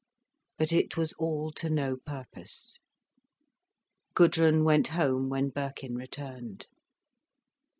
But it was all to no purpose. Gudrun went home when Birkin returned.